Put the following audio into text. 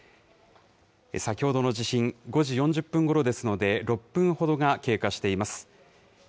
先ほどの地震、５時４０分ごろですので、６分ほどが経過しています。